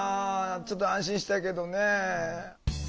ちょっと安心したけどね。